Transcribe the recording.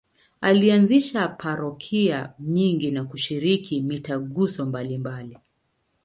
Alianzisha parokia nyingi na kushiriki mitaguso mbalimbali.